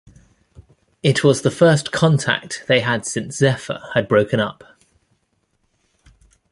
It was the first contact they had since Zephyr had broken up.